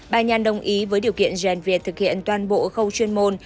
bà nhàn đồng ý với điều kiện gen việt thực hiện toàn bộ khâu chuyên môn